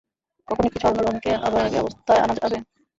কখনো কি ছড়ানো রংকে আবার আগের অবস্থায় আনা যাবে?